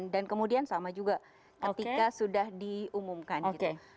dan kemudian sama juga ketika sudah diumumkan gitu